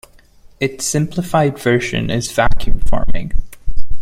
Its simplified version is vacuum forming.